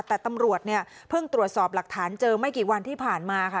แต่ตำรวจเนี่ยเพิ่งตรวจสอบหลักฐานเจอไม่กี่วันที่ผ่านมาค่ะ